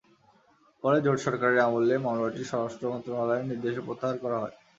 পরে জোট সরকারের আমলে মামলাটি স্বরাষ্ট্র মন্ত্রণালয়ের নির্দেশে প্রত্যাহার করা হয়।